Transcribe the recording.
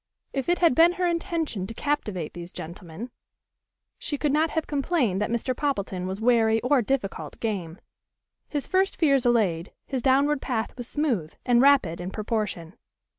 If it had been her intention to captivate these gentlemen, she could not have complained that Mr. Poppleton was wary or difficult game. His first fears allayed, his downward path was smooth, and rapid in proportion.